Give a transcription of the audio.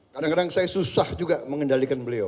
kadang kadang saya susah juga mengendalikan beliau